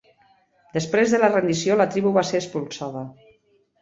Després de la rendició la tribu va ser expulsada.